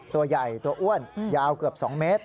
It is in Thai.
ตัวใหญ่ตัวอ้วนยาวเกือบ๒เมตร